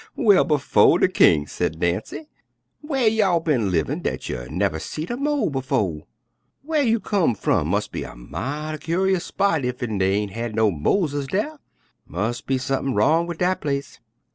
"Well, befo' de king!" said Nancy, "whar y'all bin livin' dat you nuver seed a mole befo'? Whar you come f'um mus' be a mighty cur'ous spot ef dey ain' have no moleses dar; mus' be sump'n wrong wid dat place.